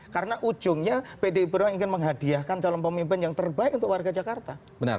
karena ujungnya pdi perjuangan ingin menghadiahkan calon pemimpin yang terbaik untuk warga jakarta